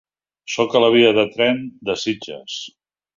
Soc a la via de tren de Sitges.